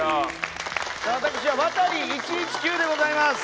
私はワタリ１１９でございます！